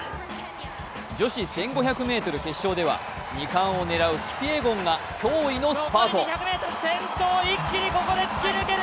女子１５００ｍ決勝では２冠を狙うキピエゴンが驚異のスパート。